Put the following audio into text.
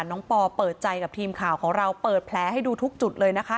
ปอเปิดใจกับทีมข่าวของเราเปิดแผลให้ดูทุกจุดเลยนะคะ